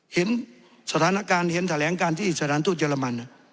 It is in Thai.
เห็นแสดงการที่สถานทูตเยอรมัน